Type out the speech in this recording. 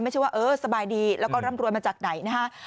ไม่ใช่ว่าเออสบายดีแล้วก็ร่ำรวยมาจากไหนนะฮะ